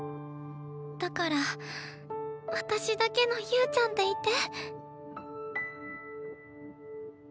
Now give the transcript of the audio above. だから私だけの侑ちゃんでいて。